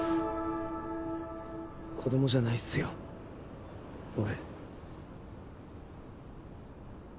子どもじゃないっすよ俺。